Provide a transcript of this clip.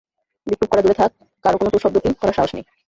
বিক্ষোভ করা দূরে থাক, কারও কোনো টুঁ শব্দটি করার সাহস নেই।